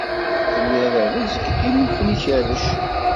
Tlid rezg imi ur ken-ikerrec